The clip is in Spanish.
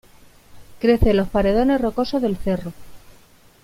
Crece en los paredones rocosos del cerro.